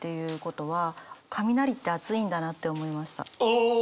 ああ！